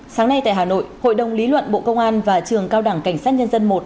sáng nay tại hà nội hội đồng lý luận bộ công an và trường cao đẳng cảnh sát nhân dân i